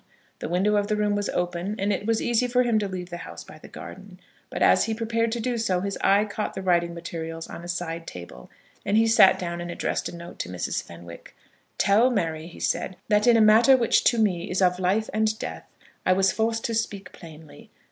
The window of the room was open, and it was easy for him to leave the house by the garden. But as he prepared to do so, his eye caught the writing materials on a side table, and he sat down and addressed a note to Mrs. Fenwick. "Tell Mary," he said, "that in a matter which to me is of life and death, I was forced to speak plainly.